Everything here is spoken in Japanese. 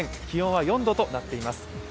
気温は４度となっています。